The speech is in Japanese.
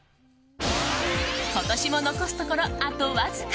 今年も残すところあとわずか。